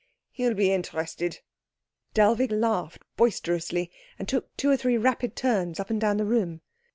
He'll be interested." Dellwig laughed boisterously, and took two or three rapid turns up and down the room.